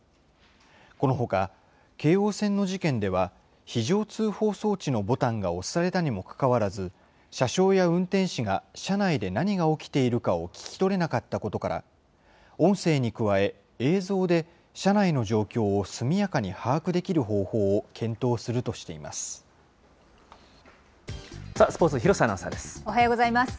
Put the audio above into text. このほか、京王線の事件では、非常通報装置のボタンが押されたにもかかわらず、車掌や運転士が車内で何が起きているかを聞き取れなかったことから、音声に加え、映像で車内の状況を速やかに把握できる方法を検さあ、スポーツ、おはようございます。